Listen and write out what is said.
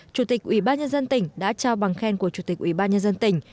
chủ tịch ủy ban nhân dân tỉnh đã trao bằng khen của chủ tịch ủy ban nhân dân tỉnh